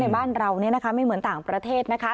ในบ้านเราเนี่ยนะคะไม่เหมือนต่างประเทศนะคะ